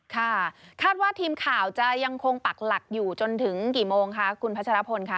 ค่ะคาดว่าทีมข่าวจะยังคงปักหลักอยู่จนถึงกี่โมงคะคุณพัชรพลค่ะ